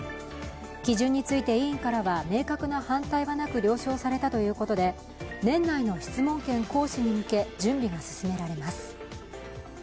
基準について委員からは明確な反対はなく了承されたということで年内の質問権行使に向け、準備が進められます。